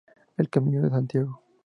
El Camino de Santiago.